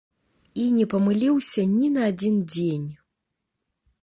І не памыліўся ні на адзін дзень.